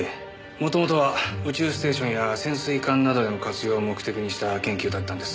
もともとは宇宙ステーションや潜水艦などでの活用を目的にした研究だったんです。